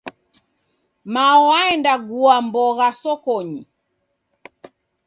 Mao waenda gua mbogha sokonyi.